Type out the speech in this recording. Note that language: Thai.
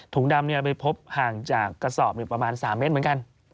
ถุงดำเนี่ยเราไปพบห่างจากกระสอบอยู่ประมาณ๓เมตรเหมือนกัน